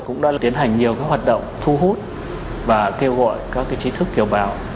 cũng đã tiến hành nhiều hoạt động thu hút và kêu gọi các trí thức kiều bào